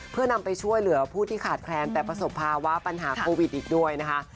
เพื่อนำไปช่วยเหลือผู้ที่ขาดแคลนแต่ประสบภาวะปัญหาโควิดอีกด้วยนะคะ